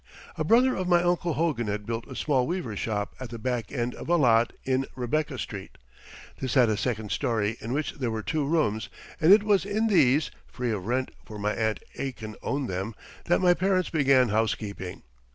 A brother of my Uncle Hogan had built a small weaver's shop at the back end of a lot in Rebecca Street. This had a second story in which there were two rooms, and it was in these (free of rent, for my Aunt Aitken owned them) that my parents began housekeeping.